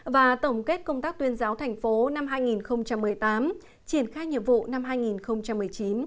và tổng kết công tác tuyên giáo thành phố năm hai nghìn một mươi tám triển khai nhiệm vụ năm hai nghìn một mươi chín